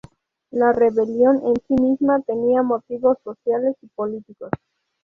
La rebelión en sí misma tenía motivos sociales y políticos.